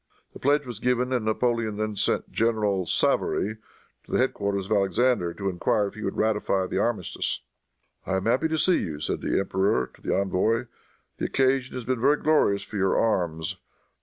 The pledge was given, and Napoleon then sent General Savary to the head quarters of Alexander, to inquire if he would ratify the armistice. "I am happy to see you," said the emperor to the envoy. "The occasion has been very glorious for your arms.